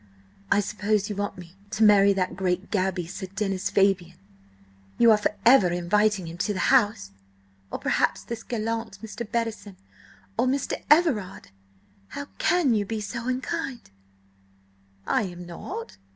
I suppose you want me to marry that great gaby, Sir Denis Fabian, you are for ever inviting to the house? Or, perhaps, this gallant Mr. Bettison? Or Mr. Everard? How can you be so unkind?" "I am not.